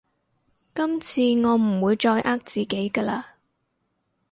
今次我唔會再呃自己㗎喇